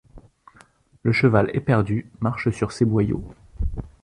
Le cheval éperdu, marche sur ses boyaux